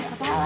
satu lagi ya